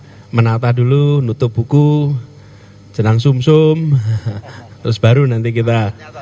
saya menata dulu nutup buku jenang sum sum terus baru nanti kita